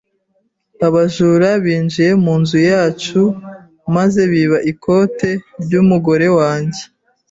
Abajura binjiye mu nzu yacu maze biba ikote ry’umugore wanjye.